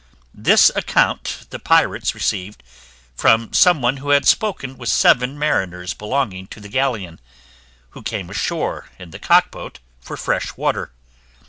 This account the pirates received from some one who had spoken with seven mariners belonging to the galleon, who came ashore in the cockboat for fresh water.